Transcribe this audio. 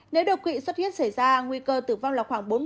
nếu đột quỵ xuất huyết xảy ra nguy cơ tử vong là khoảng bốn mươi